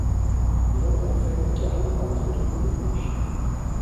Il est en fait écarté par les autorités de Vichy.